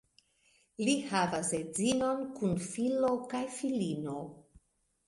Li havas edzinon kun filo kaj filino.